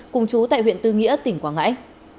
cùng chú tại huyện tư nghĩa tỉnh quảng ngãi